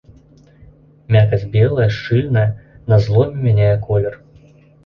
Мякаць белая, шчыльная, на зломе мяняе колер.